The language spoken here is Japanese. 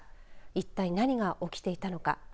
一体、何が起きていたのか。